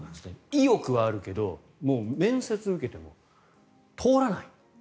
意欲はあるけど面接を受けても通らない。